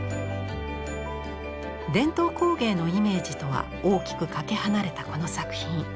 伝統工芸のイメージとは大きくかけ離れたこの作品。